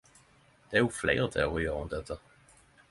Det er jo fleire teoriar rundt dette.